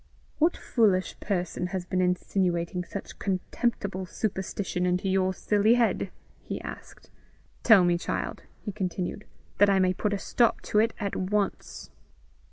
"What foolish person has been insinuating such contemptible superstition into your silly head?" he asked. "Tell me, child," he continued, "that I may put a stop to it at once."